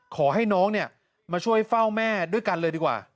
ขอให้น้องเนี่ยมาช่วยเฝ้าแม่ด้วยกันเลยดีกว่า